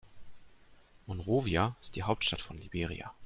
Monrovia ist die Hauptstadt von Liberia.